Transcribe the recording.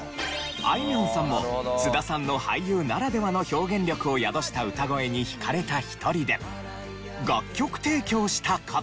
あいみょんさんも菅田さんの俳優ならではの表現力を宿した歌声に引かれた一人で楽曲提供した事も。